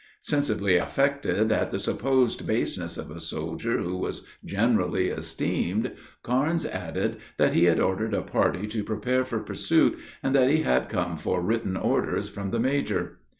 Sensibly affected at the supposed baseness of a soldier, who was generally esteemed, Carnes added, that he had ordered a party to prepare for pursuit, and that he had come for written orders from the major.